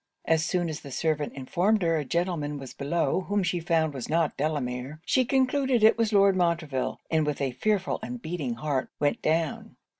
As soon as the servant informed her a gentleman was below whom she found was not Delamere, she concluded it was Lord Montreville; and with a fearful and beating heart, went down.